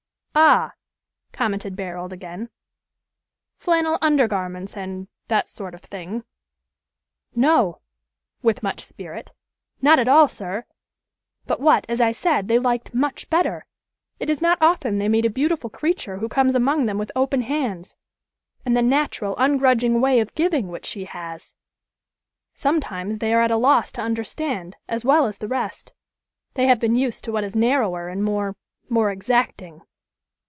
"Ah!" commented Barold again. "Flannel under garments, and that sort of thing." "No," with much spirit, "not at all, sir; but what, as I said, they liked much better. It is not often they meet a beautiful creature who comes among them with open hands, and the natural, ungrudging way of giving which she has. Sometimes they are at a loss to understand, as well as the rest. They have been used to what is narrower and more more exacting."